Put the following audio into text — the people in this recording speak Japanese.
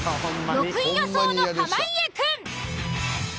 ６位予想の濱家くん。